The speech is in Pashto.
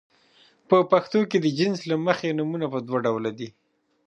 په پښتو کې د جنس له مخې نومونه په دوه ډوله دي.